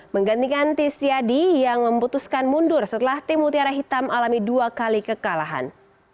menggantikan tistiadi yang memutuskan mundur setelah tim mutiara hitam alami dua kali kekalahan